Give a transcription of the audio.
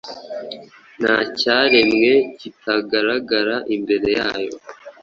Nta cyaremwe kitagaragara imbere yayo,